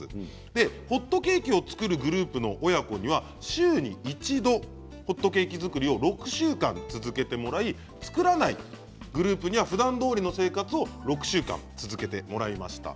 ホットケーキを作るグループの親子には週に一度ホットケーキ作りを６週間続けてもらい作らないグループにはふだんどおりの生活を６週間続けてもらいました。